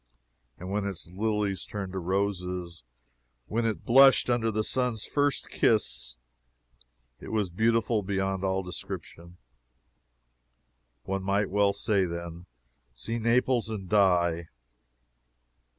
And when its lilies turned to roses when it blushed under the sun's first kiss it was beautiful beyond all description. One might well say, then, "See Naples and die."